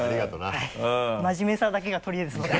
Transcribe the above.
はい真面目さだけが取り柄ですので。